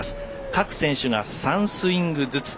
各選手が３スイングずつ。